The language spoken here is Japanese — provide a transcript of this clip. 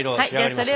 それはね